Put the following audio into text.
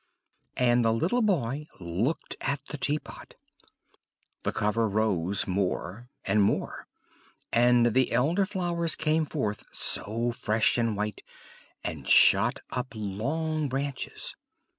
And the little boy looked at the tea pot. The cover rose more and more; and the Elder flowers came forth so fresh and white, and shot up long branches.